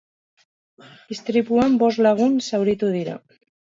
Istripuan bost lagun zauritu dira.